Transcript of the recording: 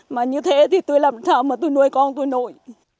mà như thế thì tôi làm sao mà tôi nuôi con tôi nội